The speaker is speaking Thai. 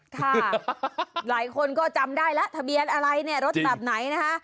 ค่ะหลายคนก็จำได้แล้วทะเบียนอะไรเนี่ยรถแบบไหนนะคะ